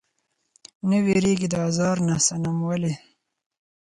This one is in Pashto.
نۀ ويريږي د ازار نه صنم ولې؟